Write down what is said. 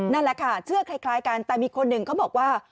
นั่นแหละค่ะเชื่อคล้ายกันแต่มีคนหนึ่งเขาบอกว่า